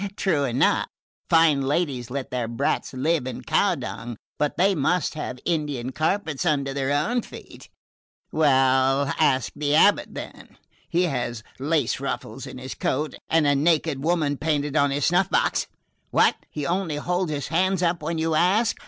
True enough fine ladies let their brats live in cow dung, but they must have Indian carpets under their own feet. Well, ask the abate, then he has lace ruffles to his coat and a naked woman painted on his snuff box What? He only holds his hands up when you ask?